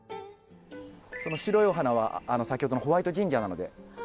その白いお花は先ほどのホワイトジンジャーなので。